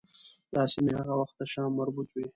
دا سیمې هغه وخت د شام مربوط وې.